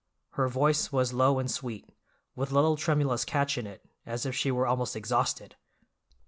Her voice was low and sweet, with a little tremulous catch in it, as if she were almost exhausted.